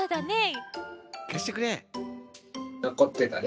のこってたね。